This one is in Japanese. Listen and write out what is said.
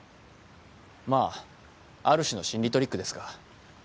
まあある種の心理トリックですが。